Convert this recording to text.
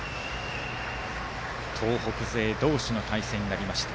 東北勢同士の対戦になりました。